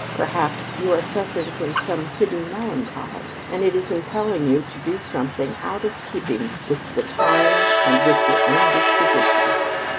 Perhaps you are suffering from some hidden melancholy, and it is impelling you to do something out of keeping with the time and with your own disposition."